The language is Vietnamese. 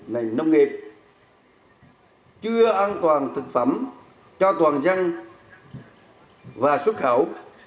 nền nông nghiệp chưa an toàn thực phẩm cho toàn dân và xuất khẩu